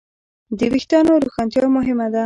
د وېښتیانو روښانتیا مهمه ده.